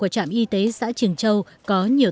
trạm y tế xã trường châu